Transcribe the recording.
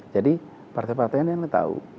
jadi partai partainya yang tahu